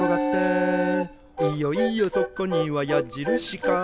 「いよいよそこにはやじるしカー」